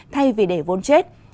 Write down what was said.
thay vì để vốn chết